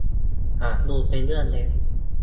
อาจดูเป็นเรื่องเล็ก